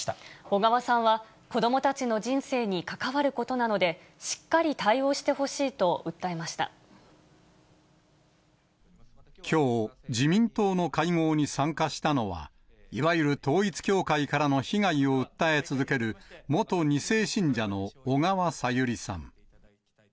小川さんは、子どもたちの人生に関わることなので、しっかり対応してほしいときょう、自民党の会合に参加したのは、いわゆる統一教会からの被害を訴え続ける元２世信者の小川さゆりさん。